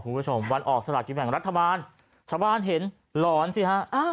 คุณผู้ชมวันออกสละกินแบ่งรัฐบาลชาวบ้านเห็นหลอนสิฮะ